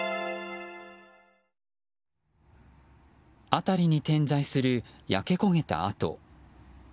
辺りに点在する焼け焦げた跡。